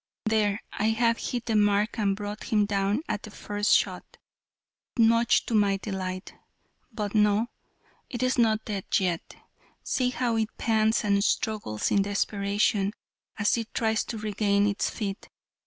There, I have hit the mark and brought him down at the first shot, much to my delight. But lo, it is not dead yet; see how it pants and struggles in desperation, as it tries to regain its feet.